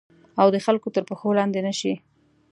او د خلګو تر پښو لاندي نه شي